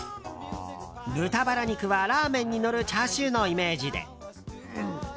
豚バラ肉は、ラーメンにのるチャーシューのイメージで。